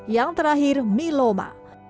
yang terakhir myeloma